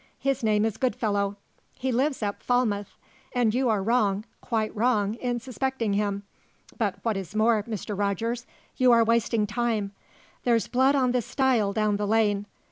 His name is Goodfellow; he lives at Falmouth; and you are wrong, quite wrong, in suspecting him. But what is more, Mr. Rogers, you are wasting time. There's blood on the stile down the lane.